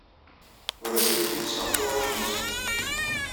Ur asent-kellseɣ tuɣac-nsent.